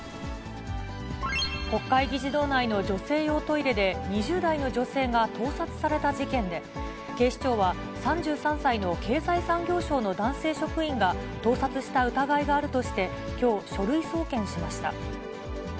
国会議事堂内の女性用トイレで、２０代の女性が盗撮された事件で、警視庁は、３３歳の経済産業省の男性職員が盗撮した疑いがあるとして、きょう、書類送検しました。